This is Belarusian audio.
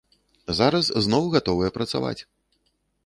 Зараз зноў гатовыя працаваць!